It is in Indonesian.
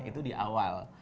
itu di awal